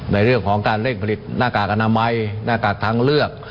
ในเรื่องของการเร่งผลิตหน้ากากอนามัยหน้ากากทางเลือก